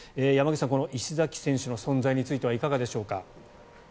山口さん石崎選手の存在についてはいかがでしょうか？